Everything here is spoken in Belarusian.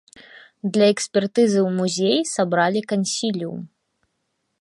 Для экспертызы ў музеі сабралі кансіліум.